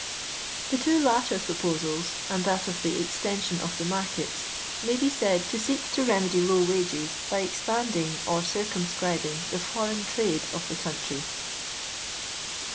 The two latter proposals, and that of the exten sion of the markets, may be said to seek to remedy low wages by expanding or circum scribing the foreign trade of the country.